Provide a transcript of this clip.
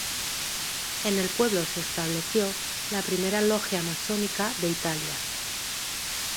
En el pueblo se estableció la primera logia masónica de Italia.